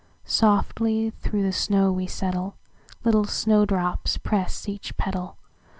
"Softly through the snow we settle, Little snow drops press each petal.